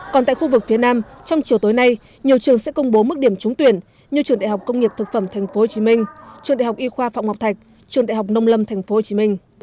còn tại khu vực phía nam trong chiều tối nay nhiều trường sẽ công bố mức điểm trúng tuyển như trường đại học công nghiệp thực phẩm tp hcm trường đại học y khoa phạm ngọc thạch trường đại học nông lâm tp hcm